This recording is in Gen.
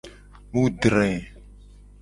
Mu dre.